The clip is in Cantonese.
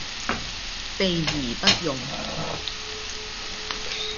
備而不用